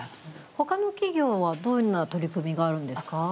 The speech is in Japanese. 他の企業はどんな取り組みがあるんですか。